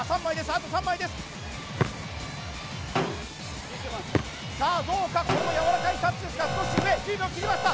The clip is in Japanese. あと３枚ですさあどうかこれもやわらかいタッチですが少し上１０秒切りました